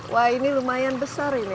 wah ini lumayan besar ini